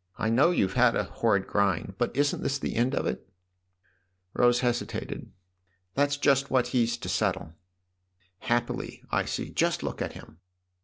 " I know you've had a horrid grind. But isn't this the end of it ?" Rose hesitated. "That's just what he's to settle." " Happily, I see ! Just look at him."